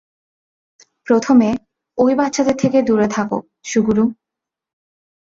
প্রথমে, ওই বাচ্চাদের থেকে দুরে থাকো, সুগুরু।